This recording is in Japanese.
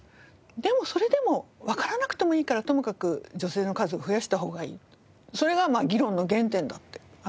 でもそれでもわからなくてもいいからともかく女性の数を増やした方がいいそれが議論の原点だって久利さんがおっしゃって。